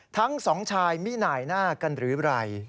ทั้งสองชายมิหน่ายหน้ากันหรือไร